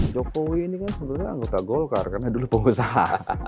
jokowi ini kan sebenarnya anggota golkar karena dulu pengusaha